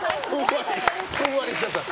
ふんわりしちゃった。